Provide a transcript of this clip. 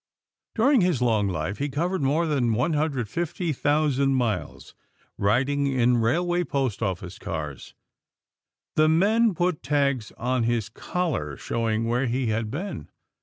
During his long life he covered more than 150,000 miles, riding in Railway Post Office cars. The men put tags on his collar showing where he had been.